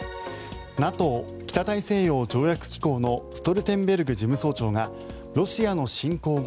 ＮＡＴＯ・北大西洋条約機構のストルテンベルグ事務総長がロシアの侵攻後